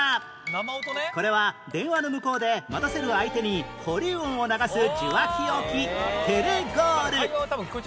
これは電話の向こうで待たせる相手に保留音を流す受話器置き ＴＥＬＥ−ＧＯＬ